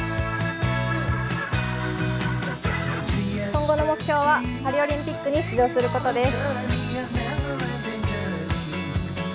今後の目標はパリオリンピックに出場することです。